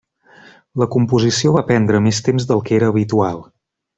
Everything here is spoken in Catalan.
La composició va prendre més temps del que era habitual.